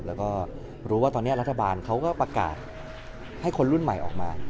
แล้วก็รู้ว่าตอนนี้รัฐบาลเขาก็ประกาศให้คนรุ่นใหม่ออกมา